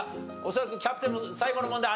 恐らくキャプテンも最後の問題